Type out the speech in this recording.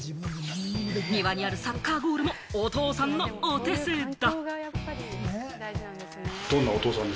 庭にあるサッカーゴールもお父さんのお手製だ。